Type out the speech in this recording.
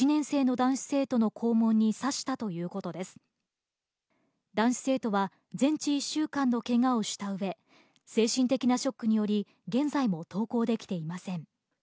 男子生徒は全治１週間のけがをしたうえ、精神的なショックにより現在も登校できていません。